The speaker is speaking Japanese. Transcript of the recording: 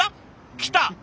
来た！